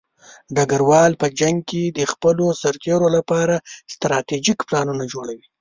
ډګروال په جنګ کې د خپلو سرتېرو لپاره ستراتیژیک پلانونه جوړوي.